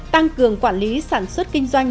tăng cường quản lý sản xuất kinh doanh